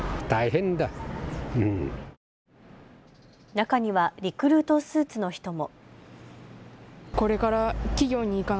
中にはリクルートスーツの人も。